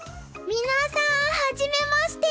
皆さん初めまして。